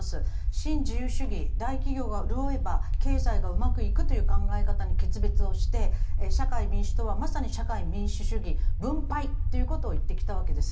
新自由主義、大企業が潤えば経済がうまくいくという考え方に決別をして、社会民主党はまさに社会民主主義、分配ということをいってきたわけです。